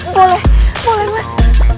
boleh boleh mas